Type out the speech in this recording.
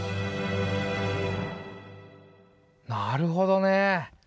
なるほどね！